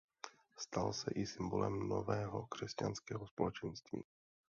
Stal se i symbolem nového křesťanského společenství.